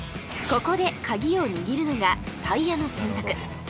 ここでカギを握るのがタイヤの選択